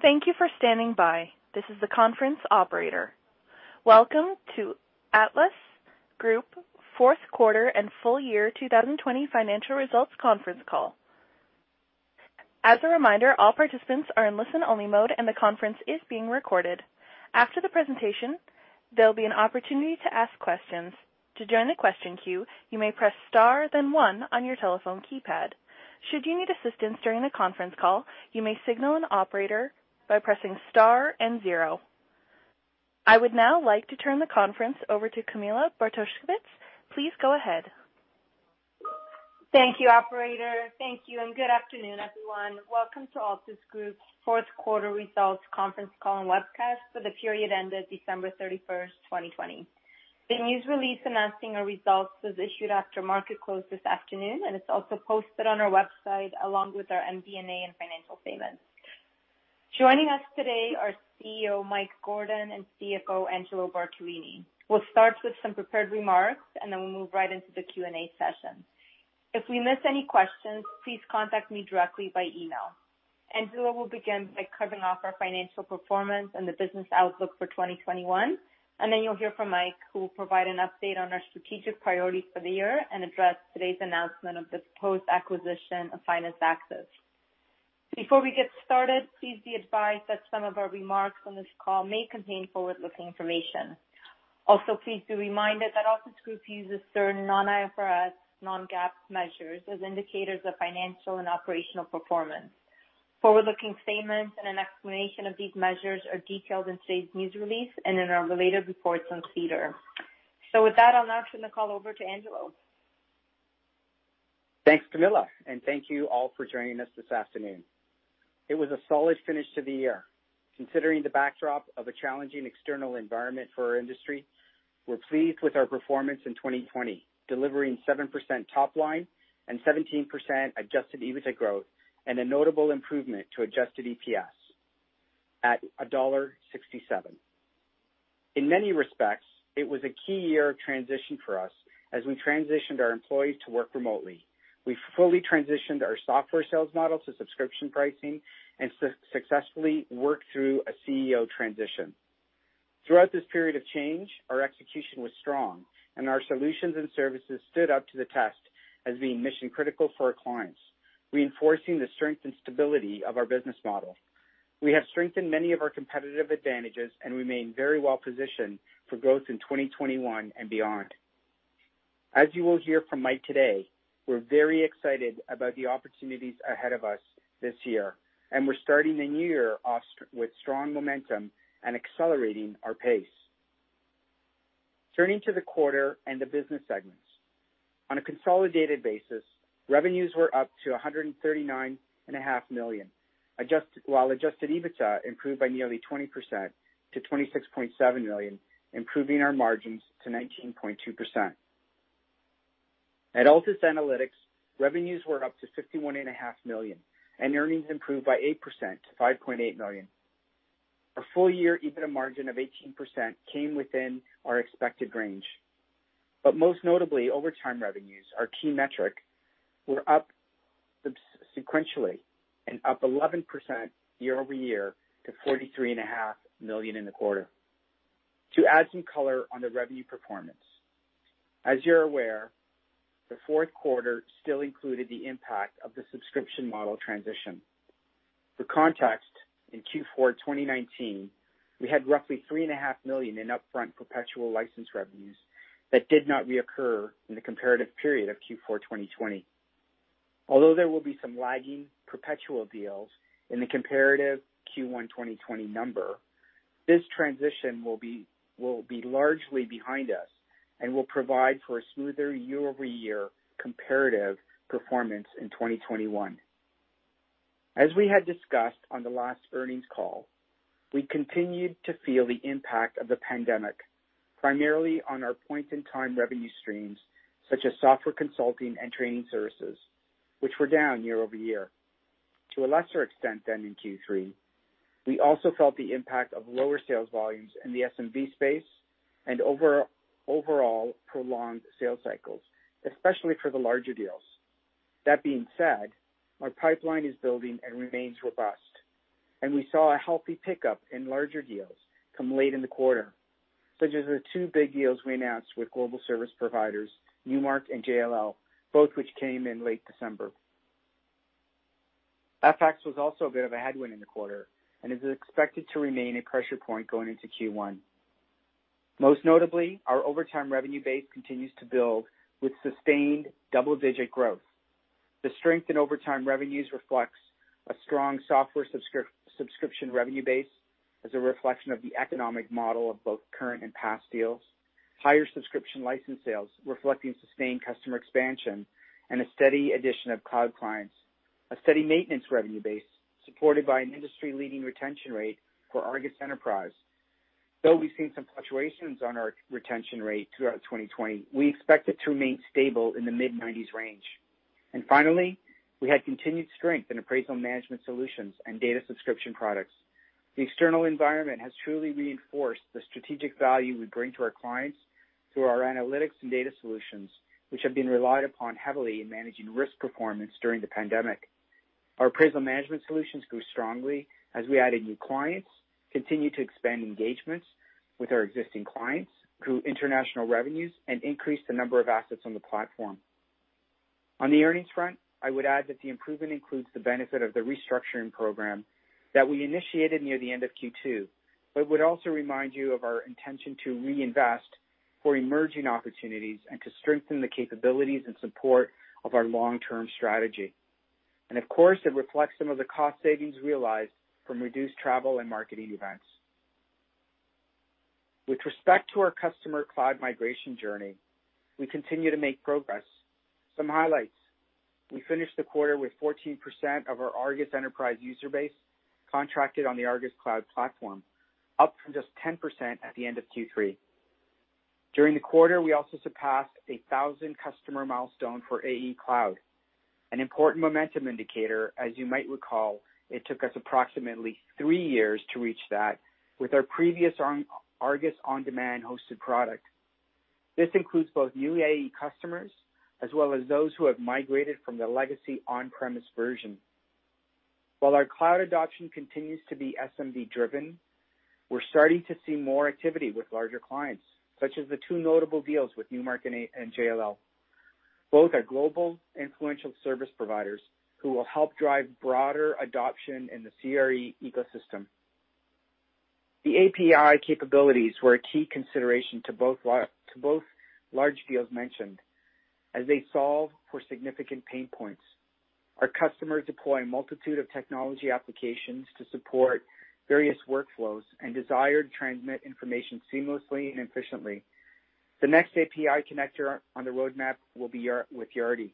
Thank you for standing by. This is the conference operator. Welcome to Altus Group fourth quarter and full year 2020 financial results conference call. As a reminder, all participants are in listen-only mode and the conference is being recorded. After the presentation, there will be an opportunity to ask questions. To join the question queue, you may press star then one on your telephone keypad. Should you need assistance during the conference call, you may signal an operator by pressing star and zero. I would now like to turn the conference over to Camilla Bartosiewicz. Please go ahead. Thank you, operator. Thank you. Good afternoon, everyone. Welcome to Altus Group's fourth quarter results conference call and webcast for the period ended December 31st, 2020. The news release announcing our results was issued after market close this afternoon. It's also posted on our website along with our MD&A and financial statements. Joining us today are CEO, Mike Gordon, and CFO, Angelo Bartolini. We'll start with some prepared remarks. Then we'll move right into the Q&A session. If we miss any questions, please contact me directly by email. Angelo will begin by covering off our financial performance and the business outlook for 2021. Then you'll hear from Mike who will provide an update on our strategic priorities for the year and address today's announcement of the proposed acquisition of Finance Active. Before we get started, please be advised that some of our remarks on this call may contain forward-looking information. Also, please be reminded that Altus Group uses certain non-IFRS non-GAAP measures as indicators of financial and operational performance. Forward-looking statements and an explanation of these measures are detailed in today's news release and in our related reports on SEDAR. With that, I'll now turn the call over to Angelo. Thanks, Camilla, thank you all for joining us this afternoon. It was a solid finish to the year. Considering the backdrop of a challenging external environment for our industry, we're pleased with our performance in 2020, delivering 7% top line and 17% adjusted EBITDA growth, and a notable improvement to adjusted EPS at dollar 1.67. In many respects, it was a key year of transition for us as we transitioned our employees to work remotely. We fully transitioned our software sales model to subscription pricing and successfully worked through a CEO transition. Throughout this period of change, our execution was strong and our solutions and services stood up to the test as being mission-critical for our clients, reinforcing the strength and stability of our business model. We have strengthened many of our competitive advantages and remain very well positioned for growth in 2021 and beyond. As you will hear from Mike today, we're very excited about the opportunities ahead of us this year. We're starting the year off with strong momentum and accelerating our pace. Turning to the quarter and the business segments. On a consolidated basis, revenues were up to 139.5 million, while adjusted EBITDA improved by nearly 20% to 26.7 million, improving our margins to 19.2%. At Altus Analytics, revenues were up to 51.5 million and earnings improved by 8% to 5.8 million. Our full-year EBITDA margin of 18% came within our expected range. Most notably, Over Time revenues, our key metric, were up sequentially and up 11% year-over-year to 43.5 million in the quarter. To add some color on the revenue performance, as you're aware, the fourth quarter still included the impact of the subscription model transition. For context, in Q4 2019, we had roughly 3.5 million in upfront perpetual license revenues that did not reoccur in the comparative period of Q4 2020. Although there will be some lagging perpetual deals in the comparative Q1 2020 number, this transition will be largely behind us and will provide for a smoother year-over-year comparative performance in 2021. As we had discussed on the last earnings call, we continued to feel the impact of the pandemic, primarily on our point-in-time revenue streams such as software consulting and training services, which were down year-over-year. To a lesser extent than in Q3, we also felt the impact of lower sales volumes in the SMB space and overall prolonged sales cycles, especially for the larger deals. That being said, our pipeline is building and remains robust, and we saw a healthy pickup in larger deals come late in the quarter, such as the two big deals we announced with global service providers Newmark and JLL, both which came in late December. FX was also a bit of a headwind in the quarter and is expected to remain a pressure point going into Q1. Most notably, our Over Time revenue base continues to build with sustained double-digit growth. The strength in Over Time revenues reflects a strong software subscription revenue base as a reflection of the economic model of both current and past deals. Higher subscription license sales reflecting sustained customer expansion and a steady addition of cloud clients. A steady maintenance revenue base supported by an industry-leading retention rate for ARGUS Enterprise. Though we've seen some fluctuations on our retention rate throughout 2020, we expect it to remain stable in the mid-90s range. Finally, we had continued strength in Appraisal Management solutions and data subscription products. The external environment has truly reinforced the strategic value we bring to our clients through our analytics and data solutions, which have been relied upon heavily in managing risk performance during the pandemic. Our Appraisal Management solutions grew strongly as we added new clients, continued to expand engagements with our existing clients, grew international revenues, and increased the number of assets on the platform. On the earnings front, I would add that the improvement includes the benefit of the restructuring program that we initiated near the end of Q2, but would also remind you of our intention to reinvest for emerging opportunities and to strengthen the capabilities and support of our long-term strategy. Of course, it reflects some of the cost savings realized from reduced travel and marketing events. With respect to our customer cloud migration journey, we continue to make progress. Some highlights. We finished the quarter with 14% of our ARGUS Enterprise user base contracted on the ARGUS Cloud platform, up from just 10% at the end of Q3. During the quarter, we also surpassed 1,000 customer milestone for AE Cloud, an important momentum indicator. As you might recall, it took us approximately three years to reach that with our previous ARGUS On Demand hosted product. This includes both new AE customers, as well as those who have migrated from the legacy on-premise version. While our cloud adoption continues to be SMB driven, we're starting to see more activity with larger clients, such as the two notable deals with Newmark and JLL. Both are global influential service providers who will help drive broader adoption in the CRE ecosystem. The API capabilities were a key consideration to both large deals mentioned as they solve for significant pain points. Our customers deploy a multitude of technology applications to support various workflows and desire to transmit information seamlessly and efficiently. The next API connector on the roadmap will be with Yardi,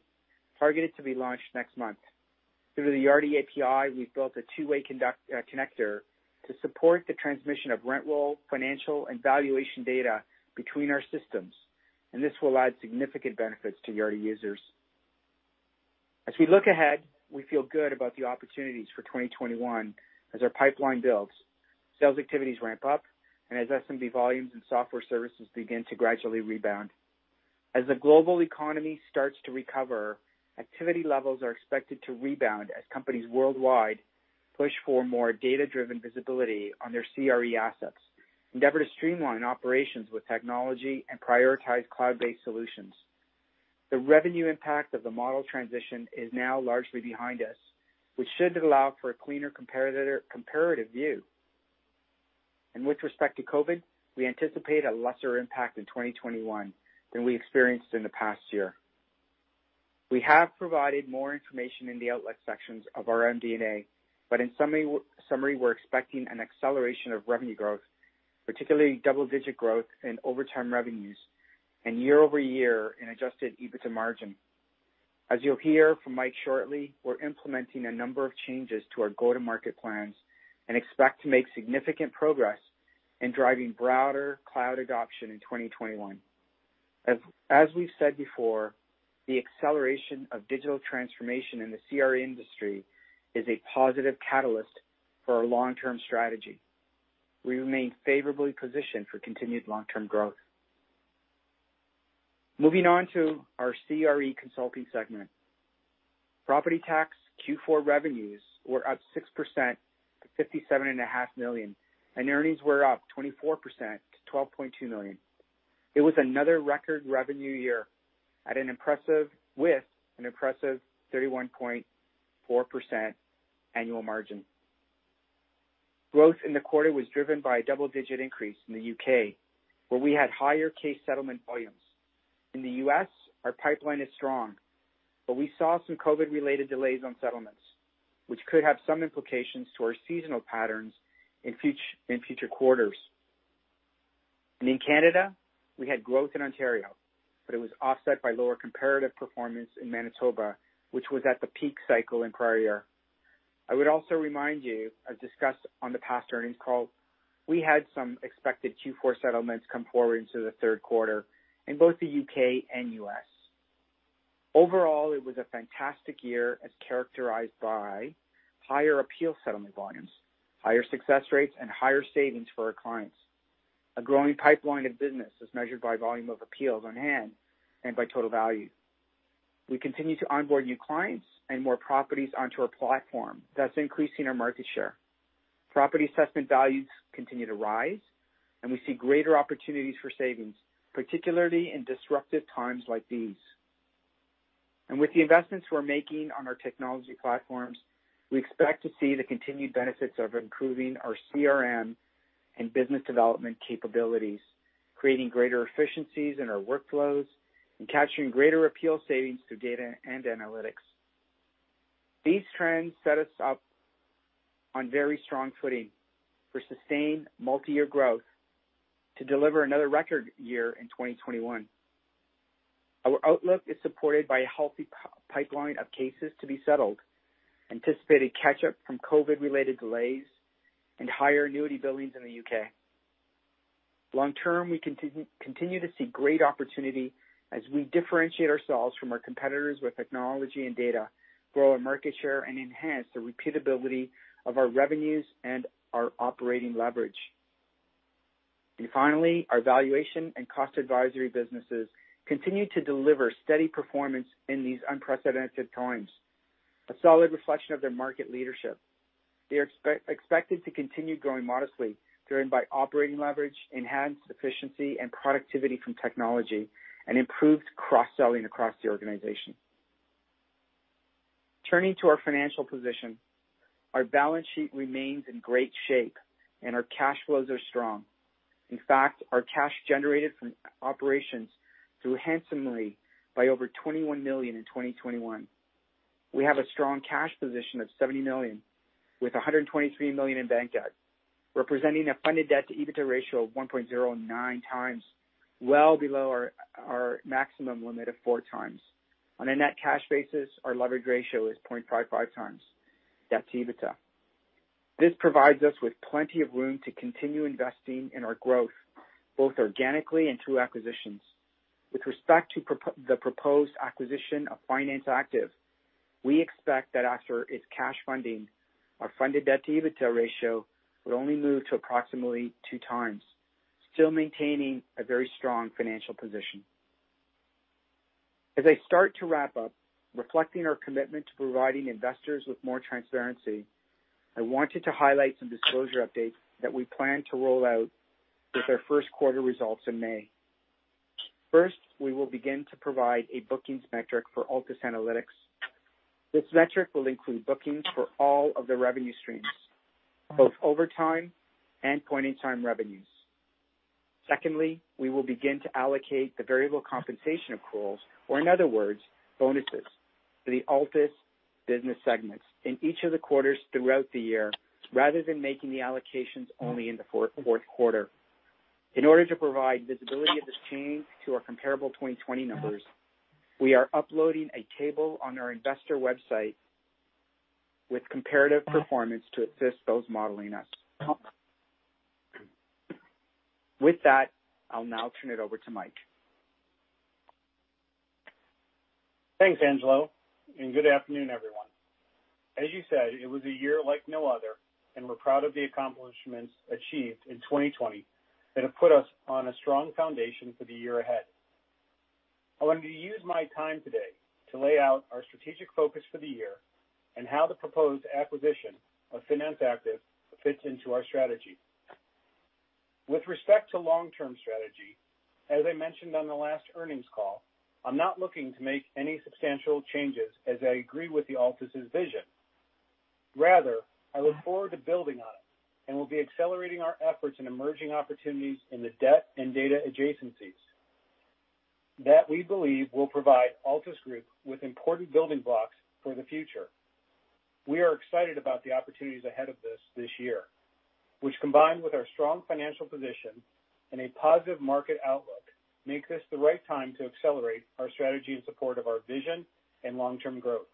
targeted to be launched next month. Through the Yardi API, we've built a two-way connector to support the transmission of rent roll, financial, and valuation data between our systems, and this will add significant benefits to Yardi users. As we look ahead, we feel good about the opportunities for 2021 as our pipeline builds, sales activities ramp up, and as SMB volumes and software services begin to gradually rebound. As the global economy starts to recover, activity levels are expected to rebound as companies worldwide push for more data-driven visibility on their CRE assets, endeavor to streamline operations with technology, and prioritize cloud-based solutions. The revenue impact of the model transition is now largely behind us, which should allow for a cleaner comparative view. With respect to COVID, we anticipate a lesser impact in 2021 than we experienced in the past year. We have provided more information in the outlook sections of our MD&A, but in summary, we're expecting an acceleration of revenue growth, particularly double-digit growth in over-time revenues and year-over-year in adjusted EBITDA margin. As you'll hear from Mike shortly, we're implementing a number of changes to our go-to-market plans and expect to make significant progress in driving broader cloud adoption in 2021. As we've said before, the acceleration of digital transformation in the CRE industry is a positive catalyst for our long-term strategy. We remain favorably positioned for continued long-term growth. Moving on to our CRE Consulting segment. Property Tax Q4 revenues were up 6% to 57.5 million, and earnings were up 24% to 12.2 million. It was another record revenue year with an impressive 31.4% annual margin. Growth in the quarter was driven by a double-digit increase in the U.K., where we had higher case settlement volumes. In the U.S., our pipeline is strong, but we saw some COVID-related delays on settlements, which could have some implications to our seasonal patterns in future quarters. In Canada, we had growth in Ontario, but it was offset by lower comparative performance in Manitoba, which was at the peak cycle in prior year. I would also remind you, as discussed on the past earnings call, we had some expected Q4 settlements come forward into the third quarter in both the U.K. and U.S. Overall, it was a fantastic year as characterized by higher appeal settlement volumes, higher success rates, and higher savings for our clients. A growing pipeline of business as measured by volume of appeals on hand and by total value. We continue to onboard new clients and more properties onto our platform. That's increasing our market share. Property assessment values continue to rise, and we see greater opportunities for savings, particularly in disruptive times like these. With the investments we're making on our technology platforms, we expect to see the continued benefits of improving our CRM and business development capabilities, creating greater efficiencies in our workflows, and capturing greater appeal savings through data and analytics. These trends set us up on very strong footing for sustained multi-year growth to deliver another record year in 2021. Our outlook is supported by a healthy pipeline of cases to be settled, anticipated catch-up from COVID-related delays, and higher annuity billings in the U.K. Long term, we continue to see great opportunity as we differentiate ourselves from our competitors with technology and data, grow our market share, and enhance the repeatability of our revenues and our operating leverage. Finally, our Valuation and Cost Advisory businesses continue to deliver steady performance in these unprecedented times, a solid reflection of their market leadership. They are expected to continue growing modestly, driven by operating leverage, enhanced efficiency and productivity from technology, and improved cross-selling across the organization. Turning to our financial position, our balance sheet remains in great shape, and our cash flows are strong. In fact, our cash generated from operations grew handsomely by over 21 million in 2021. We have a strong cash position of 70 million, with 123 million in bank debt, representing a funded debt-to-EBITDA ratio of 1.09x, well below our maximum limit of 4x. On a net cash basis, our leverage ratio is 0.55x debt to EBITDA. This provides us with plenty of room to continue investing in our growth, both organically and through acquisitions. With respect to the proposed acquisition of Finance Active, we expect that after its cash funding, our funded debt-to-EBITDA ratio will only move to approximately 2x, still maintaining a very strong financial position. As I start to wrap up, reflecting our commitment to providing investors with more transparency, I wanted to highlight some disclosure updates that we plan to roll out with our first quarter results in May. First, we will begin to provide a bookings metric for Altus Analytics. This metric will include bookings for all of the revenue streams, both Over Time and point-in-time revenues. Secondly, we will begin to allocate the variable compensation accruals, or in other words, bonuses, to the Altus business segments in each of the quarters throughout the year, rather than making the allocations only in the fourth quarter. In order to provide visibility of this change to our comparable 2020 numbers, we are uploading a table on our investor website with comparative performance to assist those modeling us. With that, I'll now turn it over to Mike. Thanks, Angelo, and good afternoon, everyone. As you said, it was a year like no other, and we're proud of the accomplishments achieved in 2020 that have put us on a strong foundation for the year ahead. I wanted to use my time today to lay out our strategic focus for the year and how the proposed acquisition of Finance Active fits into our strategy. With respect to long-term strategy, as I mentioned on the last earnings call, I'm not looking to make any substantial changes as I agree with Altus' vision. Rather, I look forward to building on it and will be accelerating our efforts in emerging opportunities in the debt and data adjacencies that we believe will provide Altus Group with important building blocks for the future. We are excited about the opportunities ahead of us this year, which combined with our strong financial position and a positive market outlook, makes this the right time to accelerate our strategy in support of our vision and long-term growth.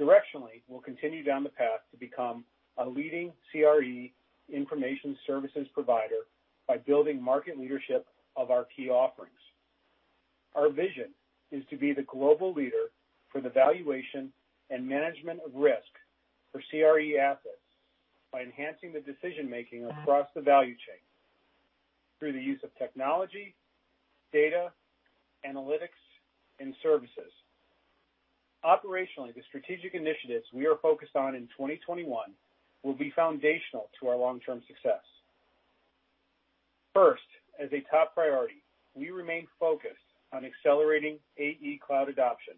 Directionally, we will continue down the path to become a leading CRE information services provider by building market leadership of our key offerings. Our vision is to be the global leader for the valuation and management of risk for CRE assets by enhancing the decision-making across the value chain through the use of technology, data, analytics, and services. Operationally, the strategic initiatives we are focused on in 2021 will be foundational to our long-term success. First, as a top priority, we remain focused on accelerating AE Cloud adoption.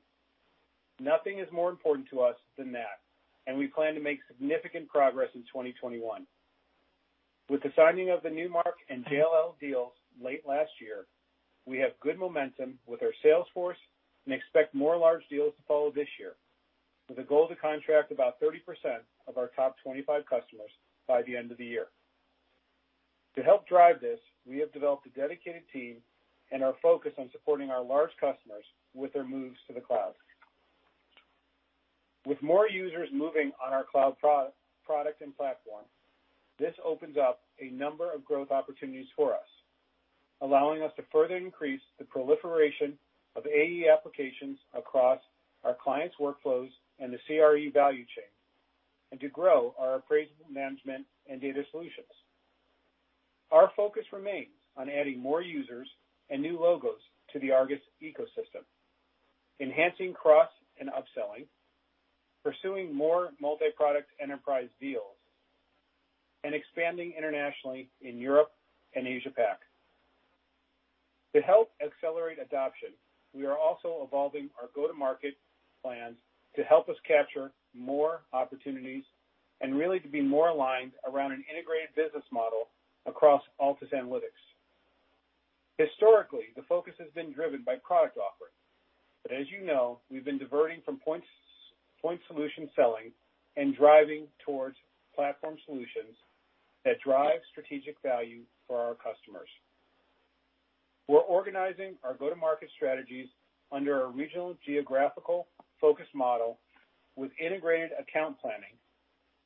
Nothing is more important to us than that, and we plan to make significant progress in 2021. With the signing of the Newmark and JLL deals late last year, we have good momentum with our sales force and expect more large deals to follow this year, with a goal to contract about 30% of our top 25 customers by the end of the year. To help drive this, we have developed a dedicated team and are focused on supporting our large customers with their moves to the cloud. With more users moving on our cloud product and platform, this opens up a number of growth opportunities for us, allowing us to further increase the proliferation of AE applications across our clients' workflows and the CRE value chain and to grow our appraisal management and data solutions. Our focus remains on adding more users and new logos to the ARGUS ecosystem, enhancing cross and upselling, pursuing more multi-product enterprise deals, and expanding internationally in Europe and Asia-Pac. To help accelerate adoption, we are also evolving our go-to-market plans to help us capture more opportunities and really to be more aligned around an integrated business model across Altus Analytics. Historically, the focus has been driven by product offerings. As you know, we've been diverting from point solution selling and driving towards platform solutions that drive strategic value for our customers. We're organizing our go-to-market strategies under our regional geographical focus model with integrated account planning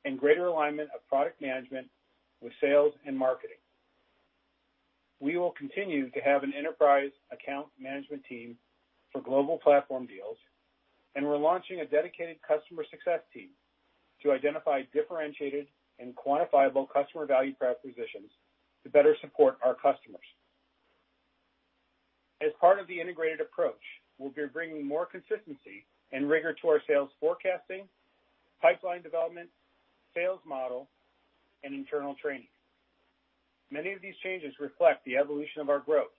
and greater alignment of product management with sales and marketing. We will continue to have an enterprise account management team for global platform deals, and we're launching a dedicated customer success team to identify differentiated and quantifiable customer value propositions to better support our customers. As part of the integrated approach, we'll be bringing more consistency and rigor to our sales forecasting, pipeline development, sales model, and internal training. Many of these changes reflect the evolution of our growth,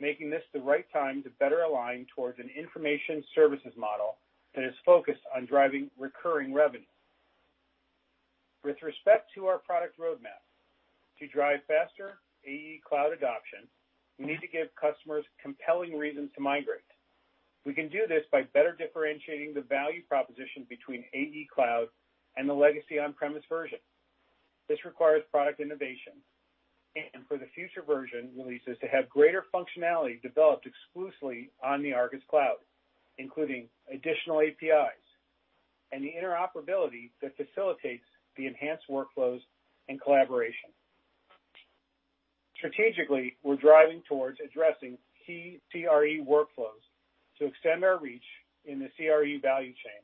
making this the right time to better align towards an information services model that is focused on driving recurring revenue. With respect to our product roadmap, to drive faster AE adoption, we need to give customers compelling reasons to migrate. We can do this by better differentiating the value proposition between AE Cloud and the legacy on-premise version. This requires product innovation and for the future version releases to have greater functionality developed exclusively on the ARGUS Cloud, including additional APIs and the interoperability that facilitates the enhanced workflows and collaboration. Strategically, we're driving towards addressing key CRE workflows to extend our reach in the CRE value chain,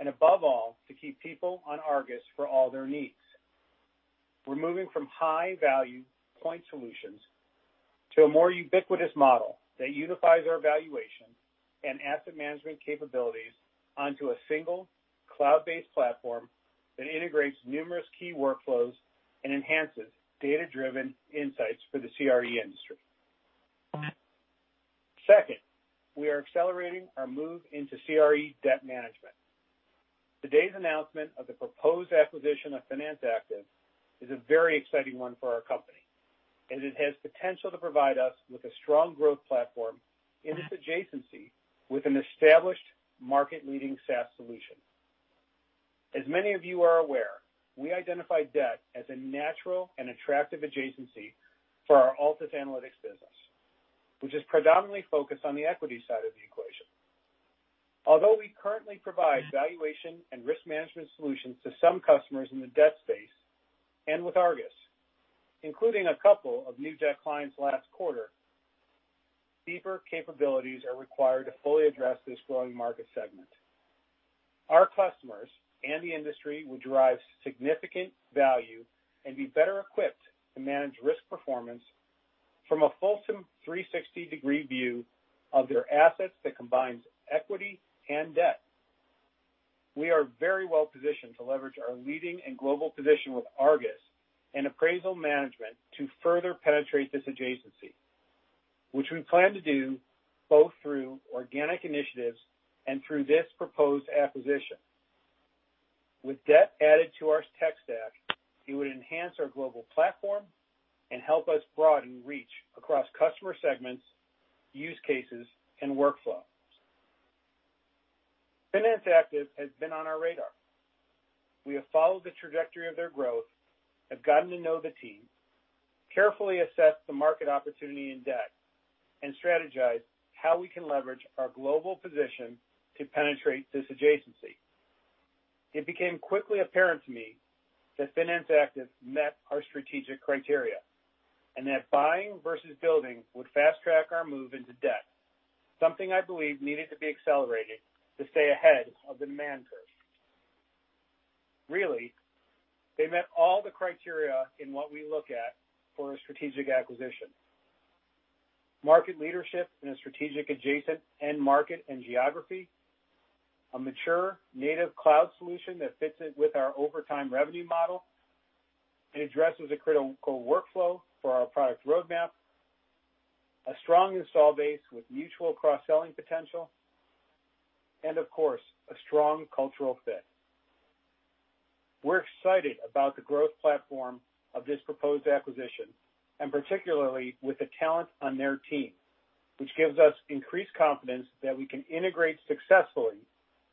and above all, to keep people on ARGUS for all their needs. We're moving from high-value point solutions to a more ubiquitous model that unifies our valuation and asset management capabilities onto a single cloud-based platform that integrates numerous key workflows and enhances data-driven insights for the CRE industry. Second, we are accelerating our move into CRE debt management. Today's announcement of the proposed acquisition of Finance Active is a very exciting one for our company, as it has potential to provide us with a strong growth platform in this adjacency with an established market-leading SaaS solution. As many of you are aware, we identify debt as a natural and attractive adjacency for our Altus Analytics business, which is predominantly focused on the equity side of the equation. Although we currently provide valuation and risk management solutions to some customers in the debt space and with ARGUS, including a couple of new debt clients last quarter, deeper capabilities are required to fully address this growing market segment. Our customers and the industry will derive significant value and be better equipped to manage risk performance from a fulsome 360-degree view of their assets that combines equity and debt. We are very well-positioned to leverage our leading and global position with ARGUS and appraisal management to further penetrate this adjacency, which we plan to do both through organic initiatives and through this proposed acquisition. With debt added to our tech stack, it would enhance our global platform and help us broaden reach across customer segments, use cases and workflows. Finance Active has been on our radar. We have followed the trajectory of their growth, have gotten to know the team, carefully assessed the market opportunity in debt, and strategized how we can leverage our global position to penetrate this adjacency. It became quickly apparent to me that Finance Active met our strategic criteria, and that buying versus building would fast-track our move into debt, something I believe needed to be accelerated to stay ahead of the demand curve. Really, they met all the criteria in what we look at for a strategic acquisition. Market leadership in a strategic adjacent end market and geography. A mature native cloud solution that fits in with our Over Time revenue model and addresses a critical workflow for our product roadmap. A strong install base with mutual cross-selling potential. Of course, a strong cultural fit. We're excited about the growth platform of this proposed acquisition, and particularly with the talent on their team, which gives us increased confidence that we can integrate successfully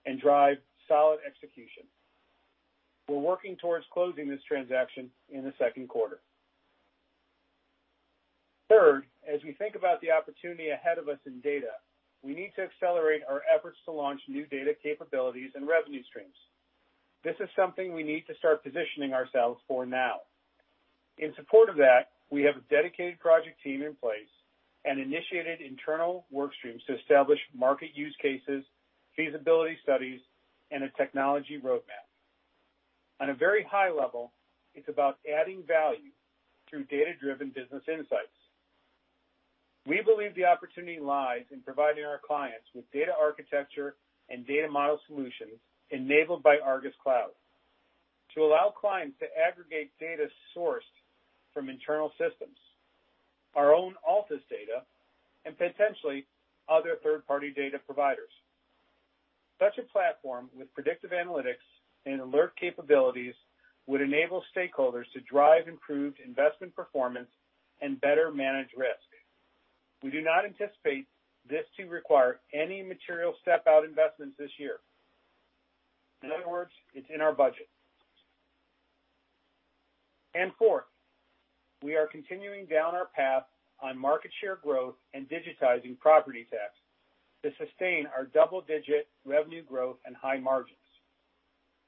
and drive solid execution. We're working towards closing this transaction in the second quarter. Third, as we think about the opportunity ahead of us in data, we need to accelerate our efforts to launch new data capabilities and revenue streams. This is something we need to start positioning ourselves for now. In support of that, we have a dedicated project team in place and initiated internal work streams to establish market use cases, feasibility studies, and a technology roadmap. On a very high level, it's about adding value through data-driven business insights. We believe the opportunity lies in providing our clients with data architecture and data model solutions enabled by ARGUS Cloud to allow clients to aggregate data sourced from internal systems, our own Altus data, and potentially other third-party data providers. Such a platform with predictive analytics and alert capabilities would enable stakeholders to drive improved investment performance and better manage risk. We do not anticipate this to require any material step-out investments this year. In other words, it's in our budget. Fourth, we are continuing down our path on market share growth and digitizing Property Tax to sustain our double-digit revenue growth and high margins.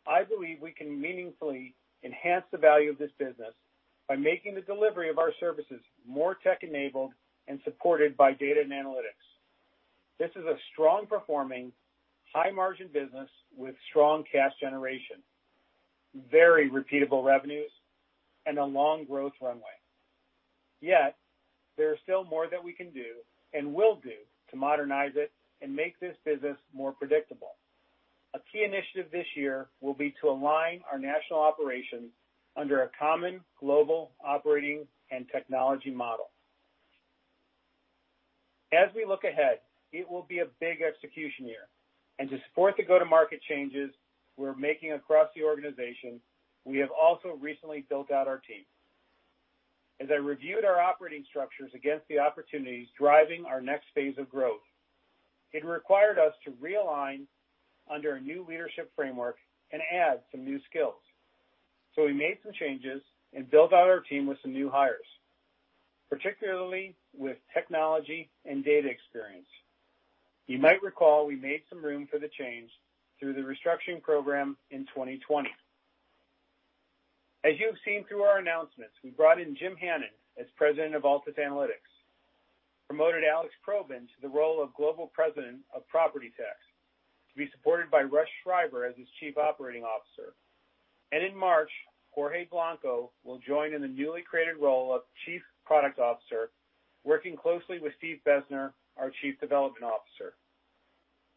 I believe we can meaningfully enhance the value of this business by making the delivery of our services more tech-enabled and supported by data and analytics. This is a strong-performing, high-margin business with strong cash generation, very repeatable revenues, and a long growth runway. Yet, there is still more that we can do, and will do, to modernize it and make this business more predictable. A key initiative this year will be to align our national operations under a common global operating and technology model. As we look ahead, it will be a big execution year, and to support the go-to-market changes we're making across the organization, we have also recently built out our team. As I reviewed our operating structures against the opportunities driving our next phase of growth, it required us to realign under a new leadership framework and add some new skills. We made some changes and built out our team with some new hires, particularly with technology and data experience. You might recall we made some room for the change through the restructuring program in 2020. As you have seen through our announcements, we brought in Jim Hannon as President of Altus Analytics, promoted Alex Probyn to the role of Global President of Property Tax, to be supported by Russ Schreiber as his Chief Operating Officer. In March, Jorge Blanco will join in the newly created role of Chief Product Officer, working closely with Steve Bezner, our Chief Development Officer.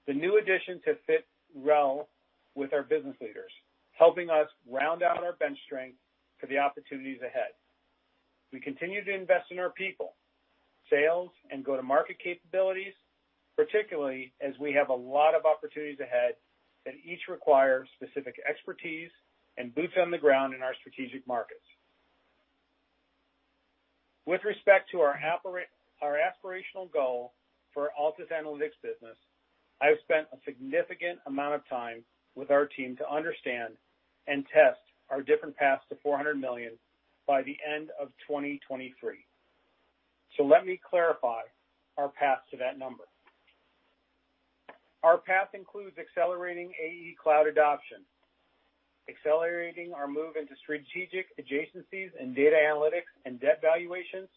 The new addition to fit well with our business leaders, helping us round out our bench strength for the opportunities ahead. We continue to invest in our people, sales, and go-to-market capabilities, particularly as we have a lot of opportunities ahead that each require specific expertise and boots on the ground in our strategic markets. With respect to our aspirational goal for our Altus Analytics business, I have spent a significant amount of time with our team to understand and test our different paths to 400 million by the end of 2023. Let me clarify our path to that number. Our path includes accelerating AE Cloud adoption, accelerating our move into strategic adjacencies in data analytics and debt valuations,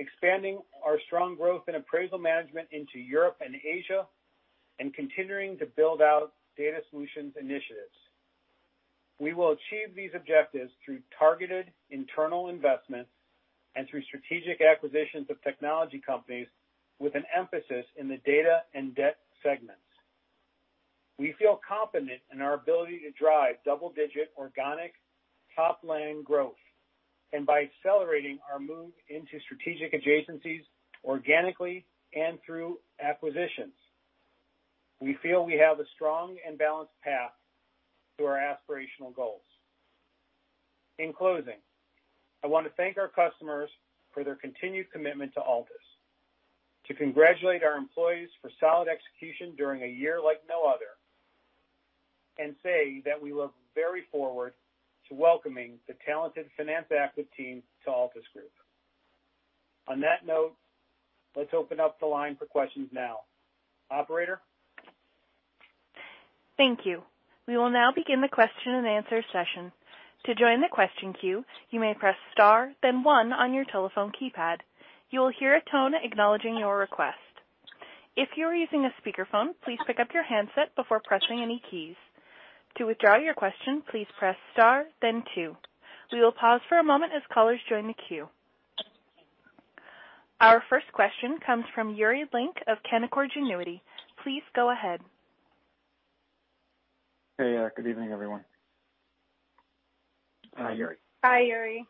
expanding our strong growth in appraisal management into Europe and Asia, and continuing to build out data solutions initiatives. We will achieve these objectives through targeted internal investments and through strategic acquisitions of technology companies with an emphasis in the data and debt segments. We feel confident in our ability to drive double-digit organic top-line growth. By accelerating our move into strategic adjacencies organically and through acquisitions, we feel we have a strong and balanced path to our aspirational goals. In closing, I want to thank our customers for their continued commitment to Altus, to congratulate our employees for solid execution during a year like no other, and say that we look very forward to welcoming the talented Finance Active team to Altus Group. On that note, let's open up the line for questions now. Operator? Thank you. We will now begin the question-and-answer session. To join the question queue, you may press star then one on your telephone keypad. You will hear a tone acknowledging your request. If you are using a speakerphone, please pick up your handset before pressing any keys. To withdraw your question, please press star then two. We will pause for a moment as callers join the queue. Our first question comes from Yuri Lynk of Canaccord Genuity. Please go ahead. Hey. Good evening, everyone. Hi, Yuri. Hi, Yuri.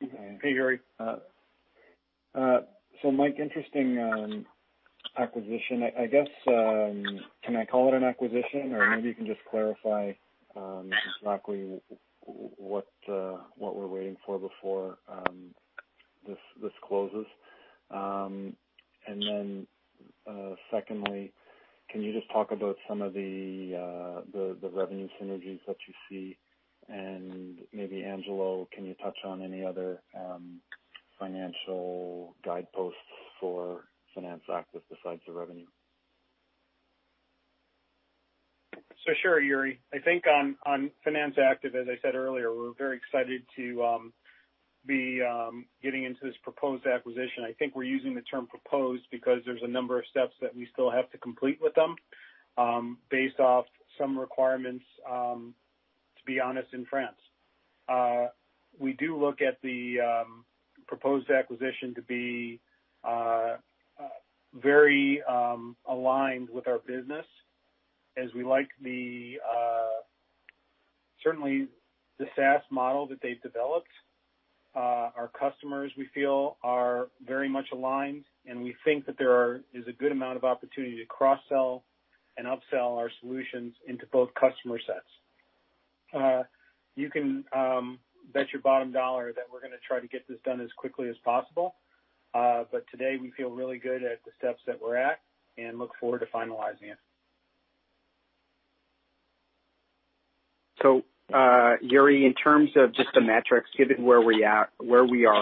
Hey, Yuri. Mike, interesting acquisition. I guess, can I call it an acquisition? Maybe you can just clarify exactly what we're waiting for before this closes. Secondly, can you just talk about some of the revenue synergies that you see? Maybe Angelo, can you touch on any other financial guideposts for Finance Active besides the revenue? Sure, Yuri. I think on Finance Active, as I said earlier, we're very excited to be getting into this proposed acquisition. I think we're using the term proposed because there's a number of steps that we still have to complete with them based off some requirements, to be honest, in France. We do look at the proposed acquisition to be very aligned with our business, as we like certainly the SaaS model that they've developed. Our customers, we feel, are very much aligned, and we think that there is a good amount of opportunity to cross-sell and up-sell our solutions into both customer sets. You can bet your bottom dollar that we're going to try to get this done as quickly as possible. Today, we feel really good at the steps that we're at and look forward to finalizing it. Yuri, in terms of just the metrics, given where we are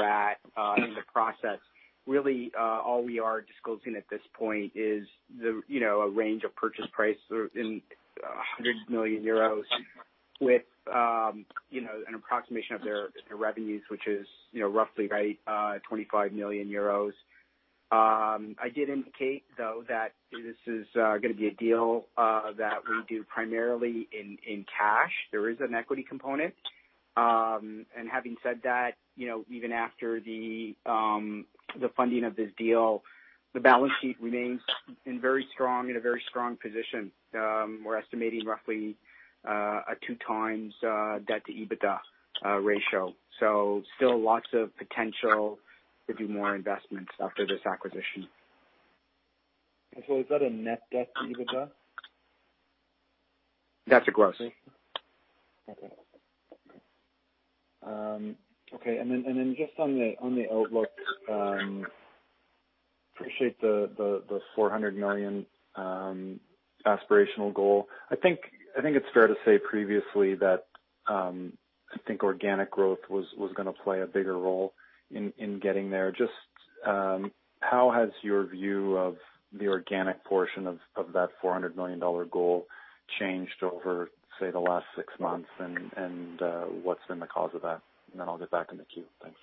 at in the process, really all we are disclosing at this point is a range of purchase price in 100 million euros with an approximation of their revenues, which is roughly 25 million euros. I did indicate, though, that this is going to be a deal that we do primarily in cash. There is an equity component. Having said that, even after the funding of this deal, the balance sheet remains in a very strong position. We're estimating roughly a 2x debt to EBITDA ratio. Still lots of potential to do more investments after this acquisition. Is that a net debt to EBITDA? That's a gross. Okay. Just on the outlook, appreciate the 400 million aspirational goal. I think it's fair to say previously that, I think organic growth was going to play a bigger role in getting there. Just how has your view of the organic portion of that 400 million dollar goal changed over, say, the last six months? What's been the cause of that? Then I'll get back in the queue. Thanks.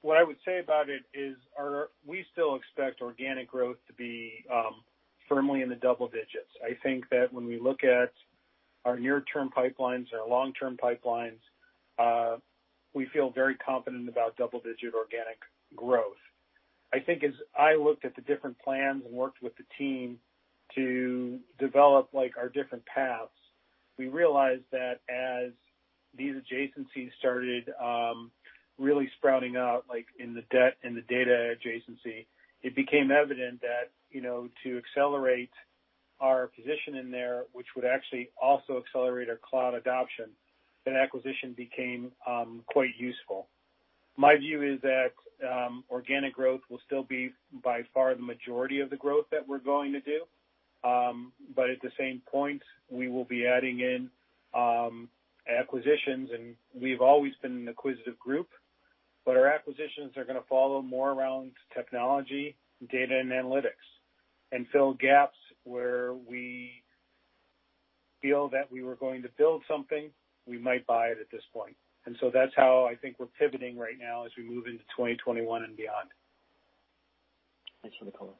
What I would say about it is we still expect organic growth to be firmly in the double digits. I think that when we look at our near-term pipelines, our long-term pipelines, we feel very confident about double-digit organic growth. I think as I looked at the different plans and worked with the team to develop our different paths, we realized that as these adjacencies started really sprouting out, like in the data adjacency, it became evident that to accelerate our position in there, which would actually also accelerate our cloud adoption, that acquisition became quite useful. My view is that organic growth will still be by far the majority of the growth that we're going to do. At the same point, we will be adding in acquisitions, and we've always been an acquisitive group. Our acquisitions are going to follow more around technology, data, and analytics, and fill gaps where we feel that we were going to build something, we might buy it at this point. That's how I think we're pivoting right now as we move into 2021 and beyond. Thanks for the color.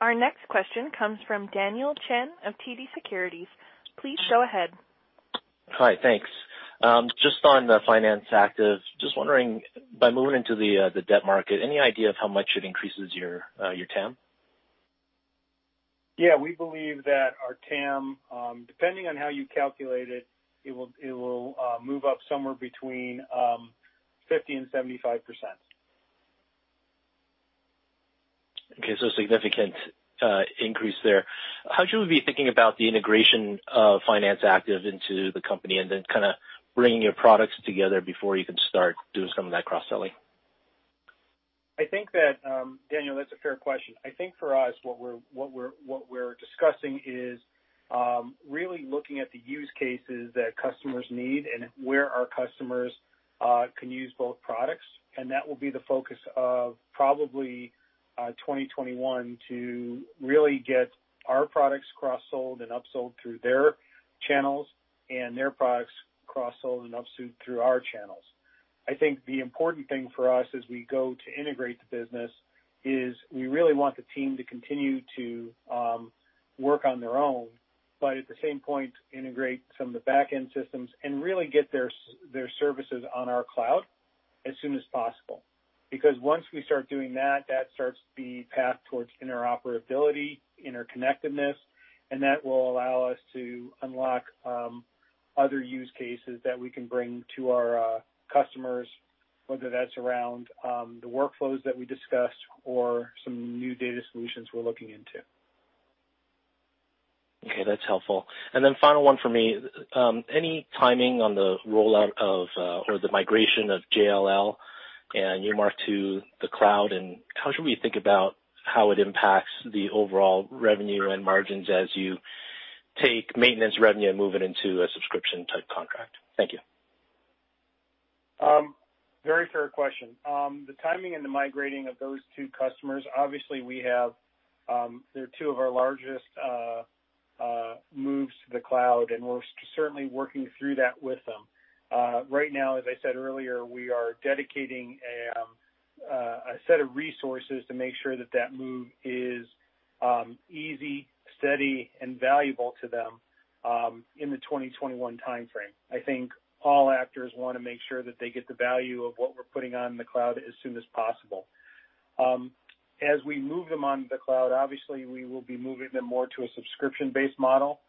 Our next question comes from Daniel Chan of TD Securities. Please go ahead. Hi, thanks. Just on the Finance Active, just wondering, by moving into the debt market, any idea of how much it increases your TAM? Yeah, we believe that our TAM, depending on how you calculate it will move up somewhere between 50% and 75%. Okay, significant increase there. How should we be thinking about the integration of Finance Active into the company and then kind of bringing your products together before you can start doing some of that cross-selling? Daniel, that's a fair question. I think for us, what we're discussing is really looking at the use cases that customers need and where our customers can use both products. That will be the focus of probably 2021 to really get our products cross-sold and up-sold through their channels and their products cross-sold and up-sold through our channels. I think the important thing for us as we go to integrate the business is we really want the team to continue to work on their own, but at the same point, integrate some of the back-end systems and really get their services on our cloud as soon as possible. Once we start doing that starts the path towards interoperability, interconnectedness, and that will allow us to unlock other use cases that we can bring to our customers, whether that's around the workflows that we discussed or some new data solutions we're looking into. Okay, that's helpful. Final one for me. Any timing on the rollout of, or the migration of JLL and Newmark to the cloud? How should we think about how it impacts the overall revenue and margins as you take maintenance revenue and move it into a subscription-type contract? Thank you. Very fair question. The timing and the migrating of those two customers, obviously, they're two of our largest moves to the cloud, and we're certainly working through that with them. Right now, as I said earlier, we are dedicating a set of resources to make sure that that move is easy, steady, and valuable to them in the 2021 timeframe. I think all actors want to make sure that they get the value of what we're putting on the cloud as soon as possible. As we move them onto the cloud, obviously, we will be moving them more to a subscription-based model,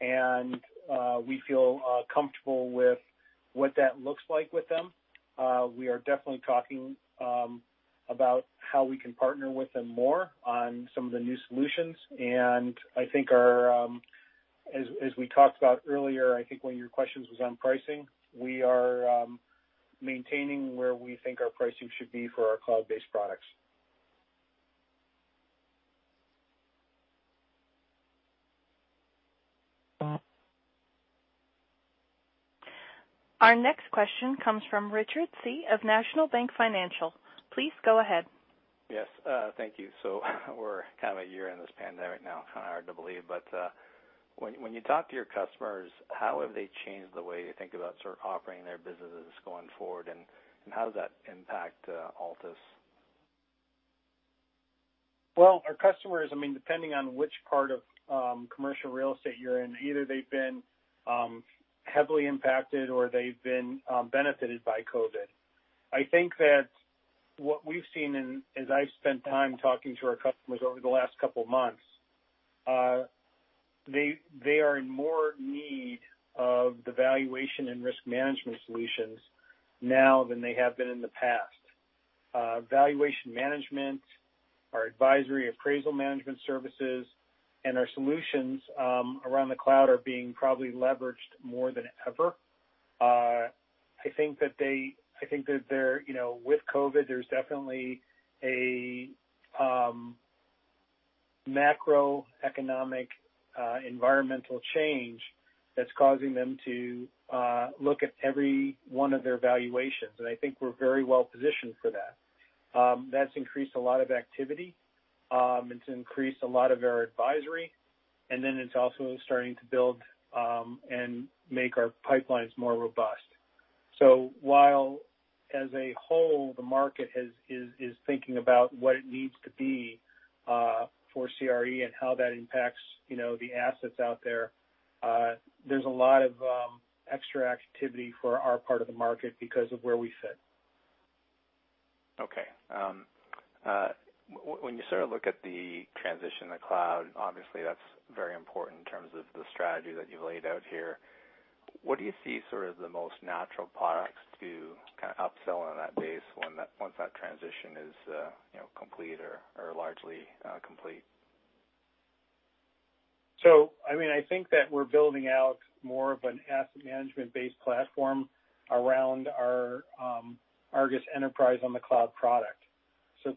and we feel comfortable with what that looks like with them. We are definitely talking about how we can partner with them more on some of the new solutions, and I think as we talked about earlier, I think one of your questions was on pricing. We are maintaining where we think our pricing should be for our cloud-based products. Our next question comes from Richard Tse of National Bank Financial. Please go ahead. Yes. Thank you. We're kind of a year in this pandemic now. Kind of hard to believe. When you talk to your customers, how have they changed the way they think about sort of operating their businesses going forward, and how does that impact Altus? Well, our customers, depending on which part of commercial real estate you're in, either they've been heavily impacted or they've been benefited by COVID. I think that what we've seen, and as I've spent time talking to our customers over the last couple of months, they are in more need of the valuation and risk management solutions now than they have been in the past. Valuation management, our advisory appraisal management services, and our solutions around the cloud are being probably leveraged more than ever. I think that with COVID, there's definitely a macroeconomic environmental change that's causing them to look at every one of their valuations, and I think we're very well-positioned for that. That's increased a lot of activity. It's increased a lot of our advisory, and then it's also starting to build and make our pipelines more robust. While as a whole, the market is thinking about what it needs to be for CRE and how that impacts the assets out there's a lot of extra activity for our part of the market because of where we fit. When you look at the transition to the cloud, obviously that's very important in terms of the strategy that you've laid out here. What do you see sort of the most natural products to kind of upsell on that base once that transition is complete or largely complete? I think that we're building out more of an asset management-based platform around our ARGUS Enterprise on the cloud product.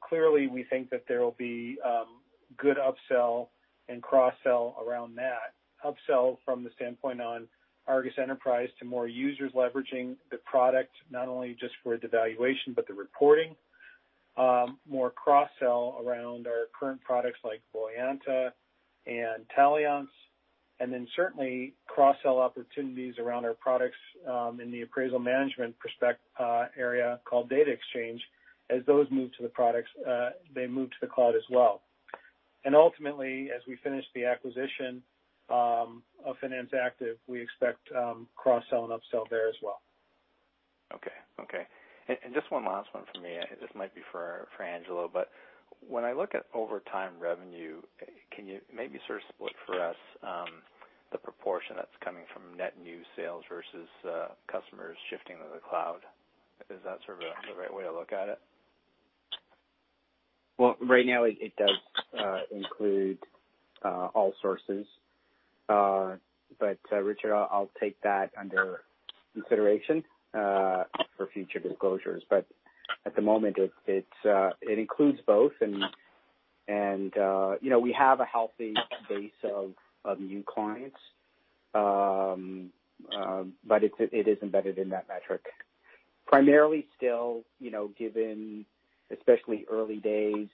Clearly, we think that there'll be good upsell and cross-sell around that. Upsell from the standpoint on ARGUS Enterprise to more users leveraging the product, not only just for the valuation but the reporting. More cross-sell around our current products like Voyanta and Taliance, and then certainly cross-sell opportunities around our products in the appraisal management area called DataXchange. As those move to the products, they move to the cloud as well. Ultimately, as we finish the acquisition of Finance Active, we expect cross-sell and upsell there as well. Okay. Just one last one from me. This might be for Angelo. When I look at Over Time revenue, can you maybe sort of split for us the proportion that's coming from net new sales versus customers shifting to the cloud? Is that sort of the right way to look at it? Right now it does include all sources. Richard, I'll take that under consideration for future disclosures. At the moment, it includes both, and we have a healthy base of new clients. It is embedded in that metric. Primarily still, given especially early days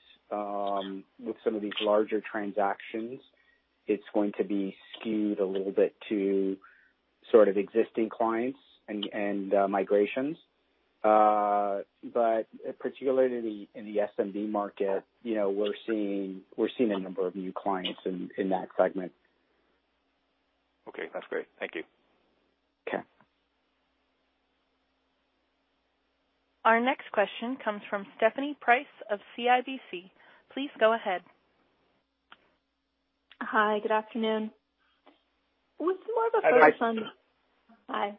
with some of these larger transactions, it's going to be skewed a little bit to sort of existing clients and migrations. Particularly in the SMB market, we're seeing a number of new clients in that segment. Okay. That's great. Thank you. Okay. Our next question comes from Stephanie Price of CIBC. Please go ahead. Hi. Good afternoon. Hi. Hi.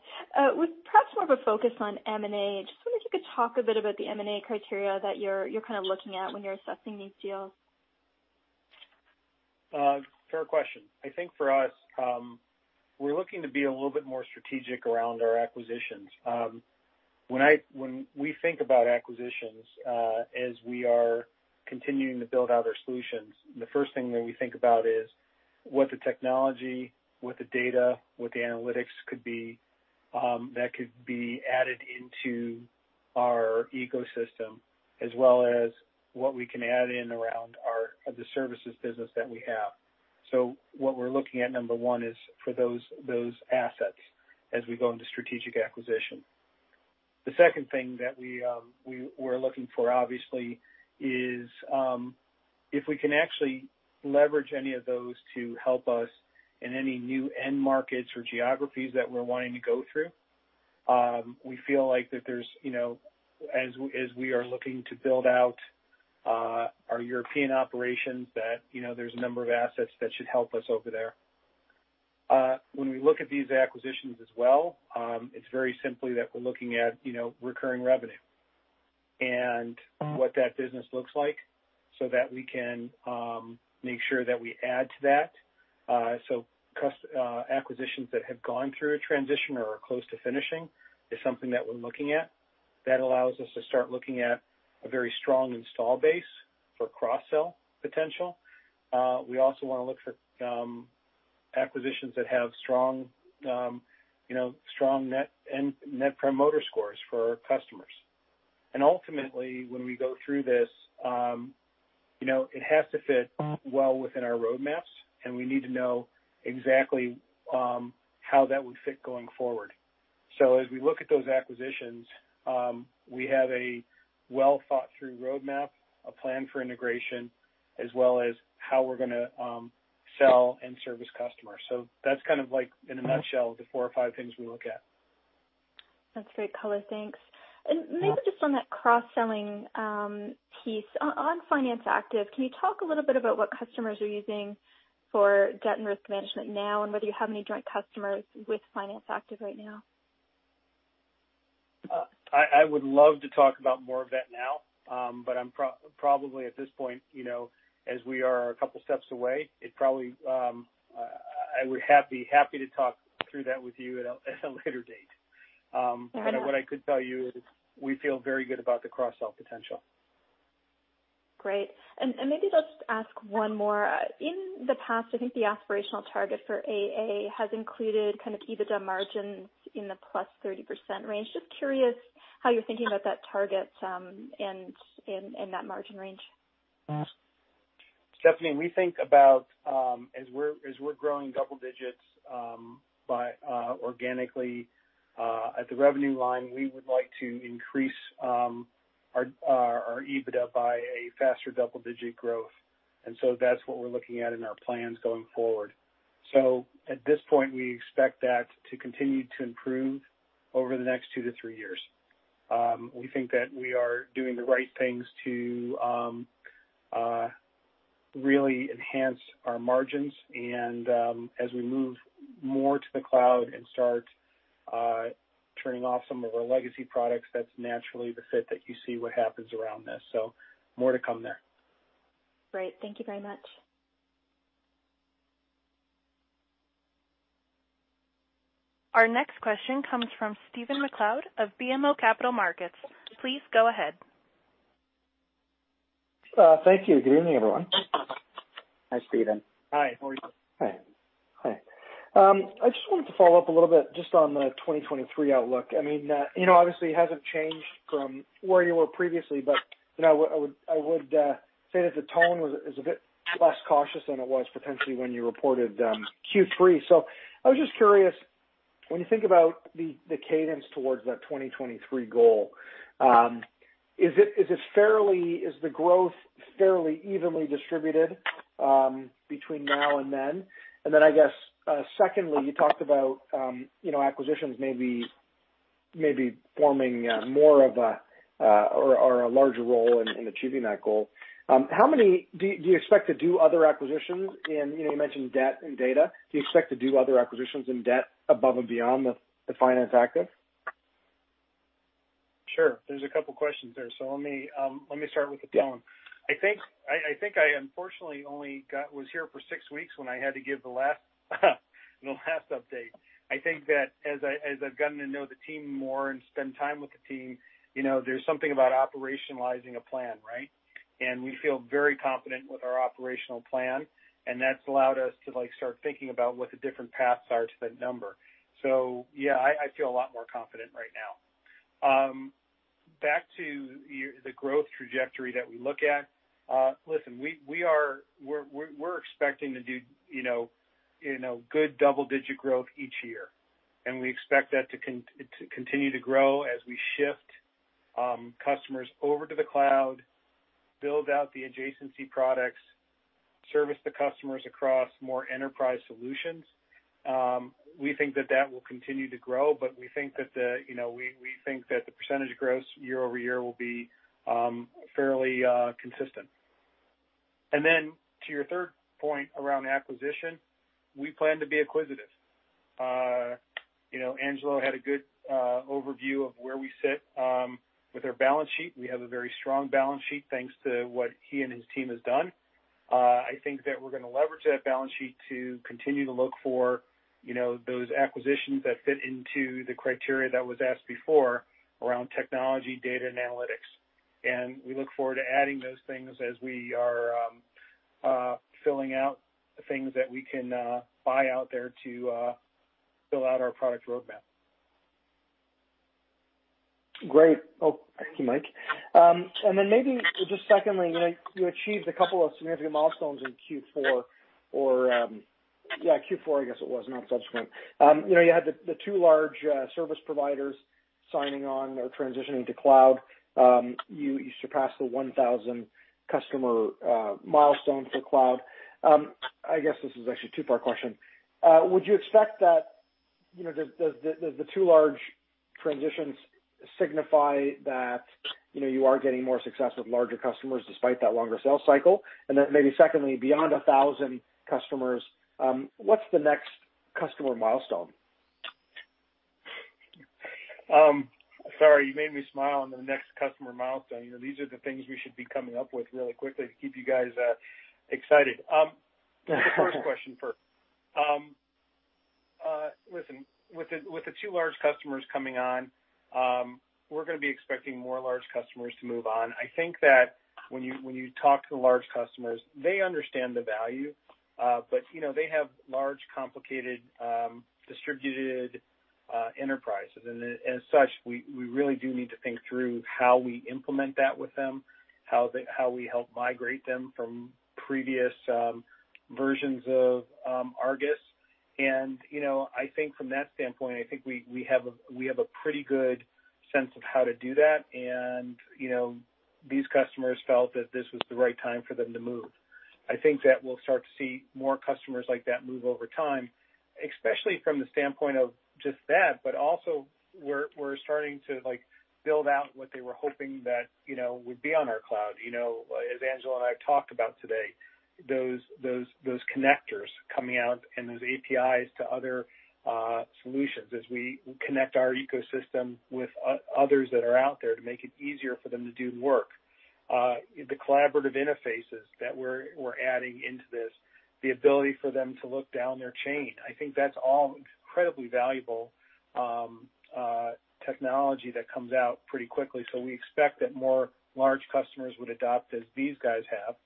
With perhaps more of a focus on M&A, I just wonder if you could talk a bit about the M&A criteria that you're kind of looking at when you're assessing these deals. Fair question. I think for us, we're looking to be a little bit more strategic around our acquisitions. When we think about acquisitions as we are continuing to build out our solutions, the first thing that we think about is what the technology, what the data, what the analytics could be that could be added into our ecosystem as well as what we can add in around the services business that we have. What we're looking at, number one, is for those assets as we go into strategic acquisition. The second thing that we're looking for, obviously, is if we can actually leverage any of those to help us in any new end markets or geographies that we're wanting to go through. We feel like that as we are looking to build out our European operations, that there's a number of assets that should help us over there. When we look at these acquisitions as well, it's very simply that we're looking at recurring revenue. What that business looks like so that we can make sure that we add to that. Acquisitions that have gone through a transition or are close to finishing is something that we're looking at. That allows us to start looking at a very strong install base for cross-sell potential. We also want to look for acquisitions that have strong net promoter scores for our customers. Ultimately, when we go through this, it has to fit well within our roadmaps, and we need to know exactly how that would fit going forward. As we look at those acquisitions, we have a well-thought-through roadmap, a plan for integration, as well as how we're going to sell and service customers. That's like in a nutshell, the four or five things we look at. That's great color. Thanks. Maybe just on that cross-selling piece. On Finance Active, can you talk a little bit about what customers are using for debt and risk management now, and whether you have any joint customers with Finance Active right now? I would love to talk about more of that now. Probably at this point as we are a couple of steps away, I would happy to talk through that with you at a later date. Fair enough. What I could tell you is we feel very good about the cross-sell potential. Great. Maybe just ask one more. In the past, I think the aspirational target for AA has included kind of EBITDA margins in the plus 30% range. Just curious how you're thinking about that target and that margin range. Stephanie, we think about as we're growing double digits organically at the revenue line, we would like to increase our EBITDA by a faster double-digit growth. That's what we're looking at in our plans going forward. At this point, we expect that to continue to improve over the next two to three years. We think that we are doing the right things to really enhance our margins and as we move more to the cloud and start turning off some of our legacy products, that's naturally the fit that you see what happens around this. More to come there. Great. Thank you very much. Our next question comes from Stephen MacLeod of BMO Capital Markets. Please go ahead. Thank you. Good evening, everyone. Hi, Stephen. Hi, how are you? Hi. I just wanted to follow up a little bit just on the 2023 outlook. Obviously, it hasn't changed from where you were previously, but I would say that the tone is a bit less cautious than it was potentially when you reported Q3. I was just curious, when you think about the cadence towards that 2023 goal, is the growth fairly evenly distributed between now and then? I guess secondly, you talked about acquisitions maybe forming more of a or a larger role in achieving that goal. Do you expect to do other acquisitions in, you mentioned debt and data. Do you expect to do other acquisitions in debt above and beyond the Finance Active? Sure. There's a couple questions there. Let me start with the tone. I think I unfortunately only was here for six weeks when I had to give the last update. I think that as I've gotten to know the team more and spend time with the team, there's something about operationalizing a plan, right? We feel very confident with our operational plan, and that's allowed us to start thinking about what the different paths are to that number. Yeah, I feel a lot more confident right now. Back to the growth trajectory that we look at. Listen, we're expecting to do good double-digit growth each year, and we expect that to continue to grow as we shift customers over to the cloud, build out the adjacency products, service the customers across more enterprise solutions. We think that that will continue to grow, but we think that the percentage growth year-over-year will be fairly consistent. Then to your third point around acquisition, we plan to be acquisitive. Angelo had a good overview of where we sit with our balance sheet. We have a very strong balance sheet thanks to what he and his team has done. I think that we're going to leverage that balance sheet to continue to look for those acquisitions that fit into the criteria that was asked before around technology, data, and analytics. We look forward to adding those things as we are filling out the things that we can buy out there to fill out our product roadmap. Great. Thank you, Mike. Then maybe just secondly, you achieved a couple of significant milestones in Q4. Yeah, Q4, I guess it was, not subsequent. You had the two large service providers signing on or transitioning to cloud. You surpassed the 1,000 customer milestone for cloud. I guess this is actually a two-part question. Would you expect that the two large transitions signify that you are getting more success with larger customers despite that longer sales cycle? Then maybe secondly, beyond 1,000 customers, what's the next customer milestone? Sorry, you made me smile on the next customer milestone. These are the things we should be coming up with really quickly to keep you guys excited. The first question first. Listen, with the two large customers coming on, we're going to be expecting more large customers to move on. I think that when you talk to large customers, they understand the value. They have large, complicated, distributed enterprises. As such, we really do need to think through how we implement that with them, how we help migrate them from previous versions of ARGUS. I think from that standpoint, I think we have a pretty good sense of how to do that. These customers felt that this was the right time for them to move. I think that we'll start to see more customers like that move over time, especially from the standpoint of just that, but also, we're starting to build out what they were hoping that would be on our Cloud. As Angelo and I have talked about today, those connectors coming out and those APIs to other solutions as we connect our ecosystem with others that are out there to make it easier for them to do the work. The collaborative interfaces that we're adding into this, the ability for them to look down their chain, I think that's all incredibly valuable technology that comes out pretty quickly. We expect that more large customers would adopt as these guys have.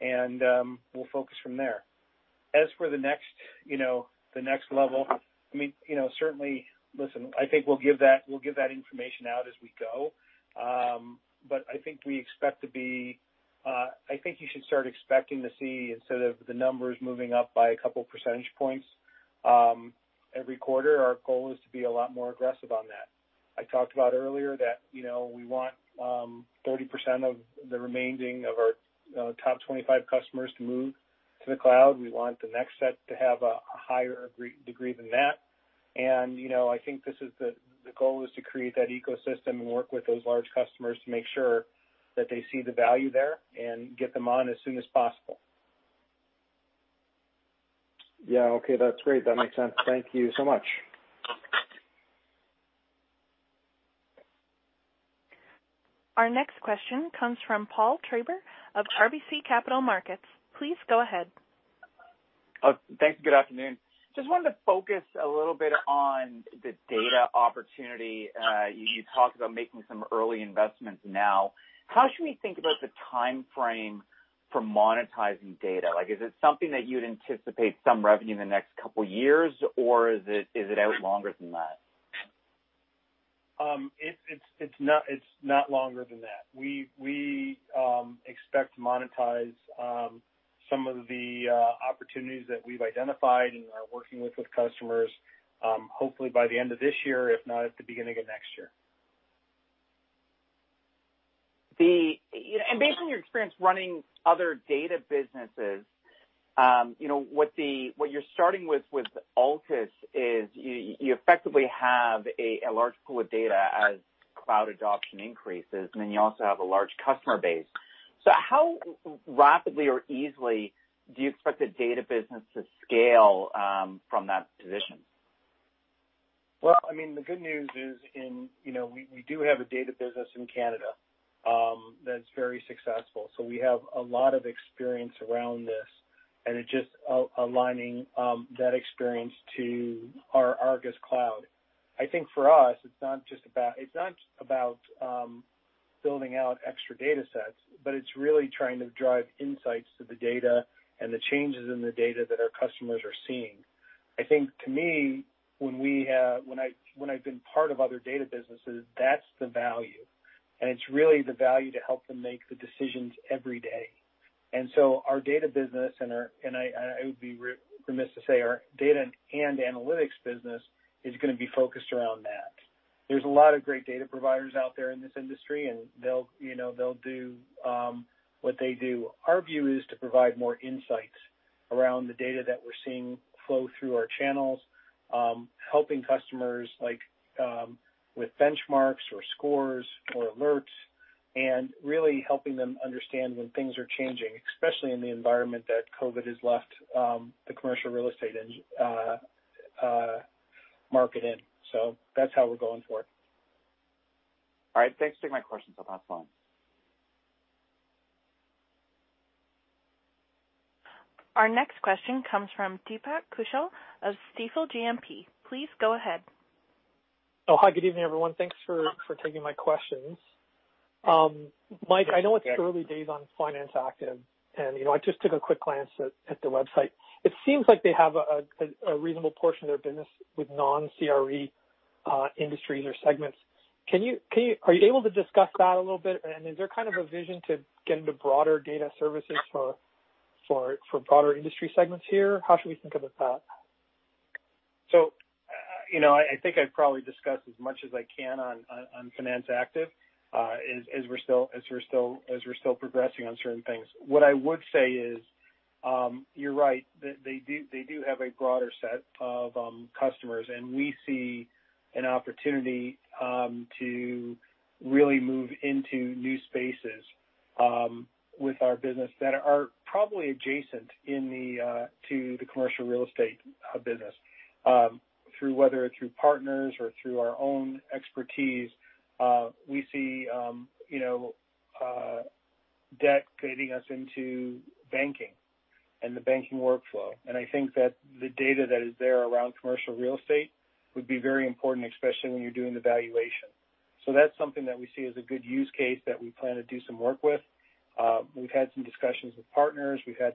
We'll focus from there. As for the next level, certainly, listen, I think we'll give that information out as we go. I think you should start expecting to see instead of the numbers moving up by a couple percentage points every quarter, our goal is to be a lot more aggressive on that. I talked about earlier that we want 30% of the remaining of our top 25 customers to move to the cloud. We want the next set to have a higher degree than that. I think the goal is to create that ecosystem and work with those large customers to make sure that they see the value there and get them on as soon as possible. Okay. That's great. That makes sense. Thank you so much. Our next question comes from Paul Treiber of RBC Capital Markets. Please go ahead. Thanks. Good afternoon. Just wanted to focus a little bit on the data opportunity. You talked about making some early investments now. How should we think about the timeframe for monetizing data? Is it something that you'd anticipate some revenue in the next couple of years, or is it out longer than that? It's not longer than that. We expect to monetize some of the opportunities that we've identified and are working with customers, hopefully by the end of this year, if not at the beginning of next year. Based on your experience running other data businesses, what you're starting with Altus is you effectively have a large pool of data as cloud adoption increases, you also have a large customer base. How rapidly or easily do you expect the data business to scale from that position? The good news is we do have a data business in Canada that's very successful. We have a lot of experience around this, and it's just aligning that experience to our ARGUS Cloud. I think for us, it's not just about building out extra datasets, but it's really trying to drive insights to the data and the changes in the data that our customers are seeing. I think to me, when I've been part of other data businesses, that's the value, and it's really the value to help them make the decisions every day. Our data business center, and I would be remiss to say our data and analytics business, is going to be focused around that. There's a lot of great data providers out there in this industry, and they'll do what they do. Our view is to provide more insights around the data that we're seeing flow through our channels, helping customers with benchmarks or scores or alerts, and really helping them understand when things are changing, especially in the environment that COVID has left the commercial real estate market in. That's how we're going forward. All right. Thanks for taking my questions. I'll pass the line. Our next question comes from Deepak Kaushal of Stifel GMP. Please go ahead. Hi. Good evening, everyone. Thanks for taking my questions. Mike, I know it's early days on Finance Active. I just took a quick glance at the website. It seems like they have a reasonable portion of their business with non-CRE industries or segments. Are you able to discuss that a little bit? Is there kind of a vision to get into broader data services for broader industry segments here? How should we think about that? I think I'd probably discuss as much as I can on Finance Active as we're still progressing on certain things. What I would say is, you're right. They do have a broader set of customers, and we see an opportunity to really move into new spaces. With our business that are probably adjacent to the commercial real estate business. Whether through partners or through our own expertise, we see debt getting us into banking and the banking workflow. I think that the data that is there around commercial real estate would be very important, especially when you're doing the valuation. That's something that we see as a good use case that we plan to do some work with. We've had some discussions with partners. We've had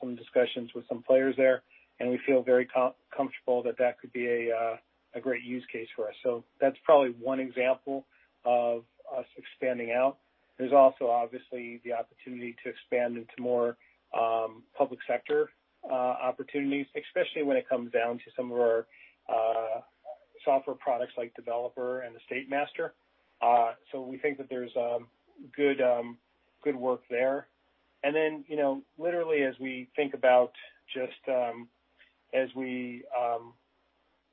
some discussions with some players there, and we feel very comfortable that that could be a great use case for us. That's probably one example of us expanding out. There's also obviously the opportunity to expand into more public sector opportunities, especially when it comes down to some of our software products like Developer and EstateMaster. We think that there's good work there. Then, literally as we think about just as we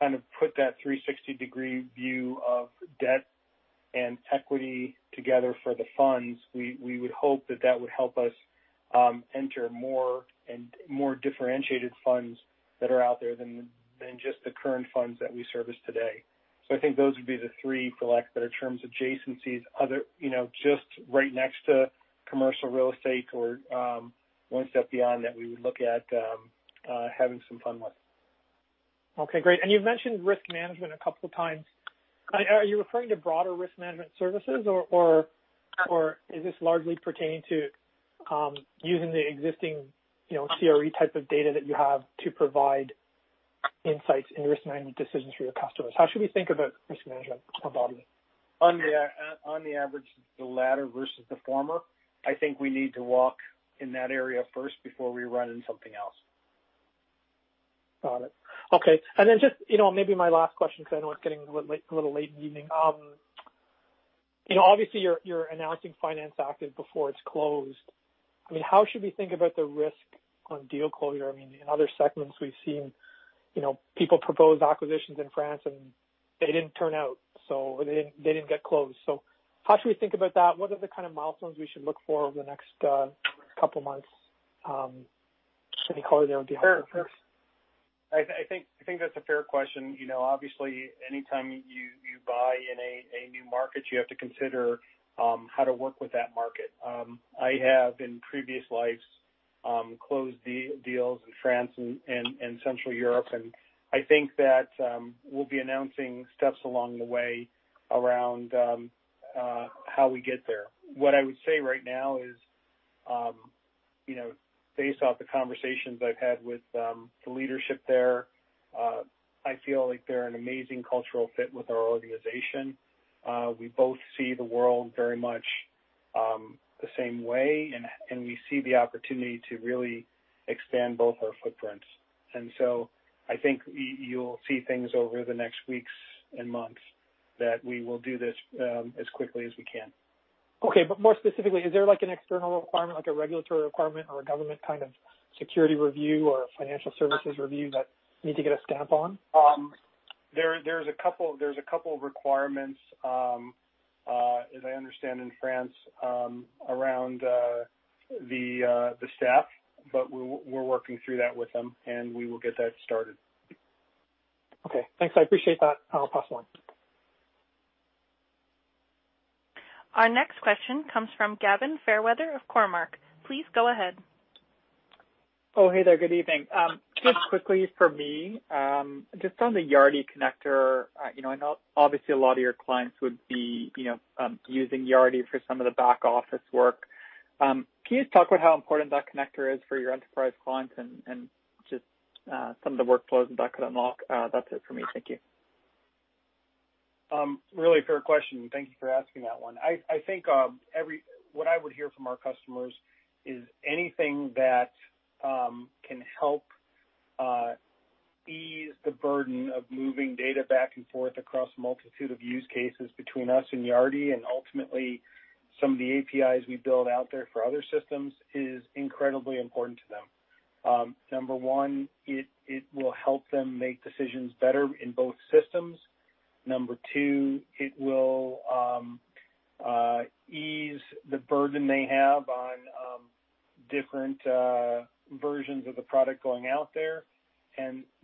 kind of put that 360-degree view of debt and equity together for the funds, we would hope that that would help us enter more and more differentiated funds that are out there than just the current funds that we service today. I think those would be the three, for lack of better terms, adjacencies, just right next to commercial real estate or one step beyond that we would look at having some fun with. Okay. Great. You've mentioned risk management a couple of times. Are you referring to broader risk management services, or is this largely pertaining to using the existing CRE type of data that you have to provide insights and risk management decisions for your customers? How should we think about risk management at Altus? On the average, the latter versus the former. I think we need to walk in that area first before we run into something else. Got it. Okay. Just maybe my last question because I know it's getting a little late in the evening. Obviously, you're announcing Finance Active before it's closed. How should we think about the risk on deal closure? In other segments, we've seen people propose acquisitions in France, they didn't turn out, they didn't get closed. How should we think about that? What are the kind of milestones we should look for over the next couple of months in closing down deals? Sure. I think that's a fair question. Obviously, anytime you buy in a new market, you have to consider how to work with that market. I have, in previous lives, closed deals in France and Central Europe, and I think that we'll be announcing steps along the way around how we get there. What I would say right now is based off the conversations I've had with the leadership there, I feel like they're an amazing cultural fit with our organization. We both see the world very much the same way, and we see the opportunity to really expand both our footprints. I think you'll see things over the next weeks and months that we will do this as quickly as we can. Okay. More specifically, is there an external requirement, like a regulatory requirement or a government kind of security review or a financial services review that you need to get a stamp on? There's a couple of requirements, as I understand, in France around the staff, but we're working through that with them, and we will get that started. Okay, thanks. I appreciate that. I'll pass along. Our next question comes from Gavin Fairweather of Cormark. Please go ahead. Oh, hey there. Good evening. Just quickly from me, just on the Yardi connector. I know obviously a lot of your clients would be using Yardi for some of the back-office work. Can you just talk about how important that connector is for your enterprise clients and just some of the workflows that could unlock? That's it for me. Thank you. Really fair question. Thank you for asking that one. I think what I would hear from our customers is anything that can help ease the burden of moving data back and forth across a multitude of use cases between us and Yardi and ultimately some of the APIs we build out there for other systems is incredibly important to them. Number one, it will help them make decisions better in both systems. Number two, it will ease the burden they have on different versions of the product going out there.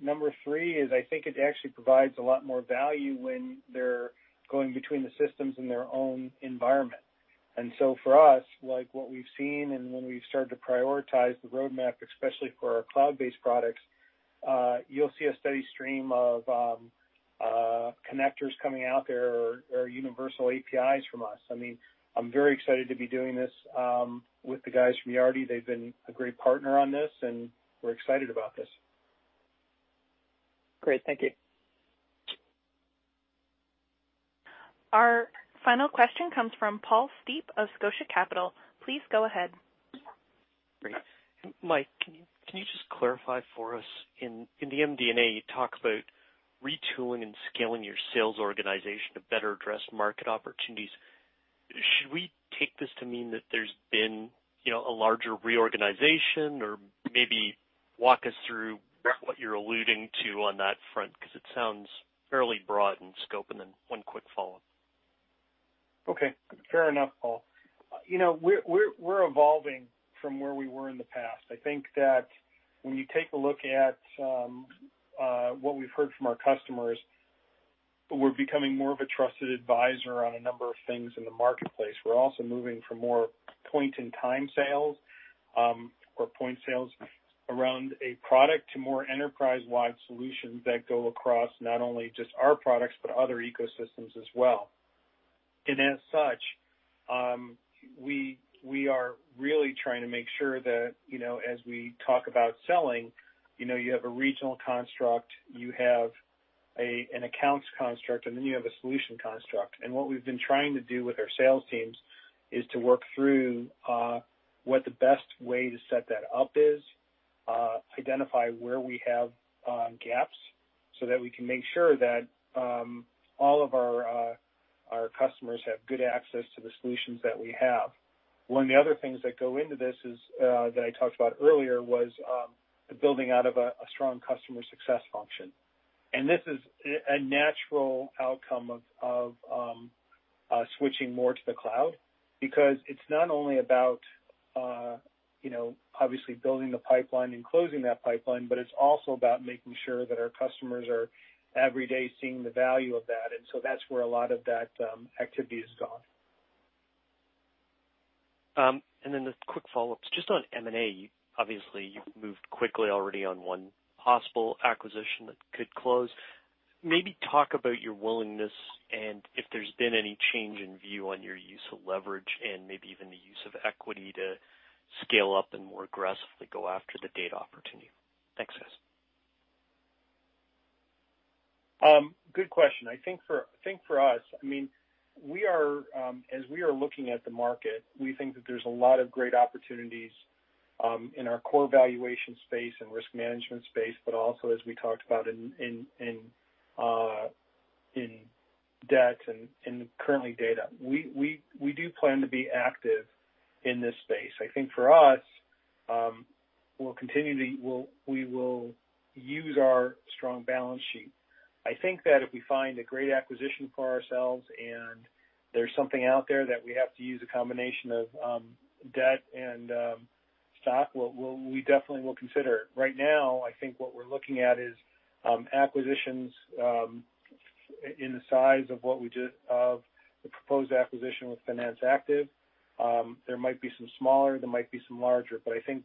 Number three is I think it actually provides a lot more value when they're going between the systems in their own environment. For us, like what we've seen and when we've started to prioritize the roadmap, especially for our cloud-based products, you'll see a steady stream of connectors coming out there or universal APIs from us. I'm very excited to be doing this with the guys from Yardi. They've been a great partner on this, and we're excited about this. Great. Thank you. Our final question comes from Paul Steep of Scotia Capital. Please go ahead. Great. Mike, can you just clarify for us, in the MD&A, you talk about retooling and scaling your sales organization to better address market opportunities. Should we take this to mean that there's been a larger reorganization? Maybe walk us through what you're alluding to on that front, because it sounds fairly broad in scope. One quick follow-up. Okay, fair enough, Paul. We're evolving from where we were in the past. I think that when you take a look at what we've heard from our customers, we're becoming more of a trusted advisor on a number of things in the marketplace. We're also moving from more point-in-time sales, or point sales around a product to more enterprise-wide solutions that go across not only just our products, but other ecosystems as well. As such, we are really trying to make sure that, as we talk about selling, you have a regional construct, you have an accounts construct, and then you have a solution construct. What we've been trying to do with our sales teams is to work through what the best way to set that up is, identify where we have gaps so that we can make sure that all of our customers have good access to the solutions that we have. One of the other things that go into this is, that I talked about earlier, was the building out of a strong customer success function. This is a natural outcome of switching more to the cloud because it's not only about obviously building the pipeline and closing that pipeline, but it's also about making sure that our customers are, every day, seeing the value of that. That's where a lot of that activity has gone. The quick follow-up. Just on M&A, obviously you've moved quickly already on one possible acquisition that could close. Maybe talk about your willingness and if there's been any change in view on your use of leverage and maybe even the use of equity to scale up and more aggressively go after the data opportunity. Thanks, guys. Good question. I think for us, as we are looking at the market, we think that there is a lot of great opportunities in our core valuation space and risk management space, but also as we talked about in debt and currently data. We do plan to be active in this space. I think for us, we will use our strong balance sheet. I think that if we find a great acquisition for ourselves and there is something out there that we have to use a combination of debt and stock, we definitely will consider it. Right now, I think what we are looking at is acquisitions in the size of the proposed acquisition with Finance Active. There might be some smaller, there might be some larger, but I think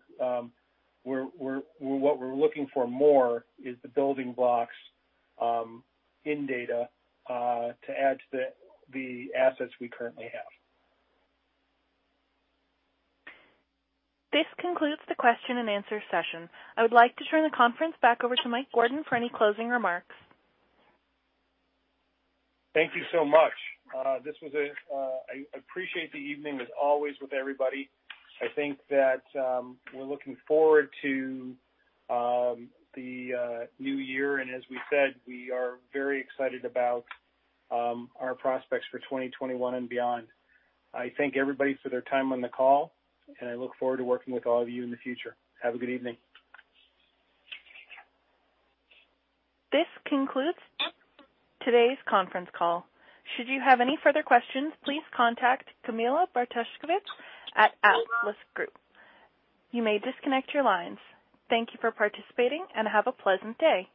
what we are looking for more is the building blocks in data to add to the assets we currently have. This concludes the question-and-answer session. I would like to turn the conference back over to Mike Gordon for any closing remarks. Thank you so much. I appreciate the evening, as always, with everybody. I think that we're looking forward to the new year. As we said, we are very excited about our prospects for 2021 and beyond. I thank everybody for their time on the call, and I look forward to working with all of you in the future. Have a good evening. This concludes today's conference call. Should you have any further questions, please contact Camilla Bartosiewicz at Altus Group. You may disconnect your lines. Thank you for participating and have a pleasant day.